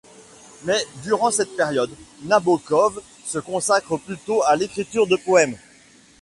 Mais durant cette période, Nabokov se consacre plutôt à l'écriture de poèmes.